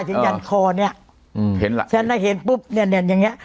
เห็นจันทร์คอเนี้ยอืมเห็นล่ะฉันได้เห็นปุ๊บเนี้ยเนี้ยอย่างเงี้ย